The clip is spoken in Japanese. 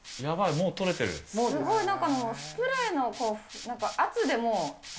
すごい、なんかスプレーの圧でもう。